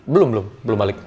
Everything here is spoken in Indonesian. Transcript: belum belum belum balik